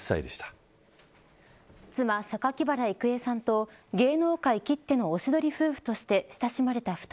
妻、榊原郁恵さんと芸能界きってのおしどり夫婦として親しまれた２人。